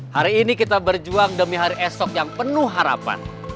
hari ini kita berjuang demi hari esok yang penuh harapan